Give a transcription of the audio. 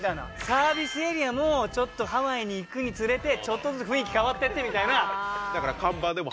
サービスエリアもちょっとハワイに行くにつれてちょっとずつ雰囲気変わってってみたいな。